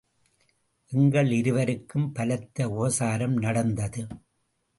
எங்கள் இருவருக்கும் பலத்த உபசாரம் நடந்தது.